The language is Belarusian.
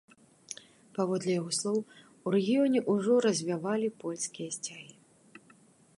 Паводле яго слоў, у рэгіёне ўжо развявалі польскія сцягі.